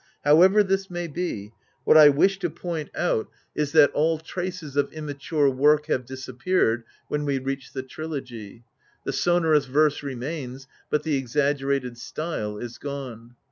However this may be, what I wish to point out is xxvi THE HOUSE OF ATREUS that all traces of immature work have disappeared, when we reach the Trilogy. The sonorous verse remains, but the exaggerated style is gone.